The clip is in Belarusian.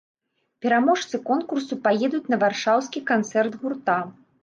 Пераможцы конкурсу паедуць на варшаўскі канцэрт гурта.